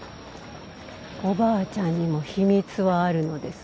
おばあちゃんにも秘密はあるのです。